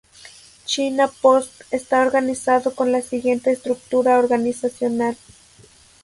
China Post está organizado con la siguiente estructura organizacional.